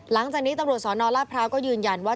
หลังจากนี้ตำรวจสนราชพร้าวก็ยืนยันว่า